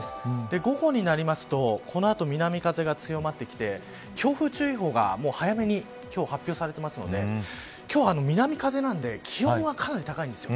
午後になりますとこの後、南風が強まってきて強風注意報が早めに今日発表されているので今日は南風なので気温はかなり高いんです。